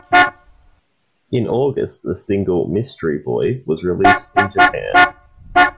In August the single "Mystery Boy" was released in Japan.